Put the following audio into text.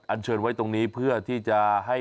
เชิญไว้ตรงนี้เพื่อที่จะให้